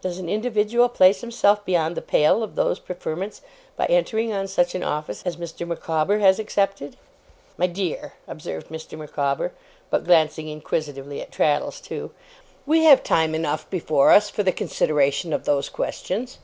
Does an individual place himself beyond the pale of those preferments by entering on such an office as Mr. Micawber has accepted?' 'My dear,' observed Mr. Micawber but glancing inquisitively at Traddles, too; 'we have time enough before us, for the consideration of those questions.